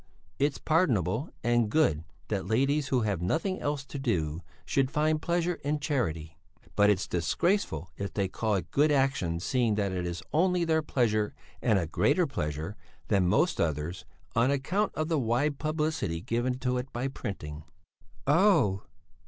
It's pardonable and good that ladies who have nothing else to do should find pleasure in charity; but it's disgraceful if they call it a good action seeing that it is only their pleasure and a greater pleasure than most others on account of the wide publicity given to it by printing." "Oh!"